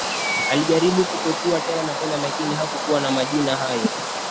Alijaribu kupekua tena na tena lakini hakukuwa na majina hayo